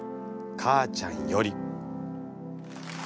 母ちゃんより」。